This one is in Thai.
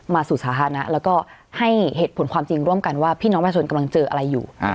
สู่สาธารณะแล้วก็ให้เหตุผลความจริงร่วมกันว่าพี่น้องประชาชนกำลังเจออะไรอยู่